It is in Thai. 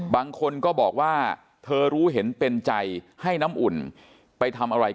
บางคนก็บอกว่าเธอรู้เห็นเป็นใจให้น้ำอุ่นไปทำอะไร